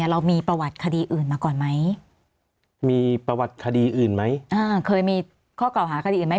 เรามีประวัติคดีอื่นมาก่อนไหมมีประวัติคดีอื่นไหมเคยมีข้อเก่าหาคดีอื่นไหม